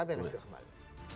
sampai jumpa kembali